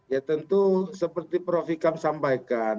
ya tentu seperti prof ikam sampaikan